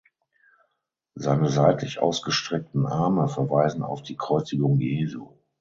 Seine seitlich ausgestreckten Arme verweisen auf die Kreuzigung Jesu.